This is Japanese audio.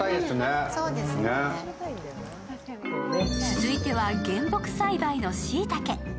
続いては原木栽培のしいたけ。